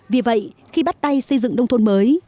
vì vậy khi bắt tay xây dựng nông thôn mới